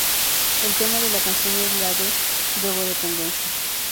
El tema de la canción es la drogodependencia.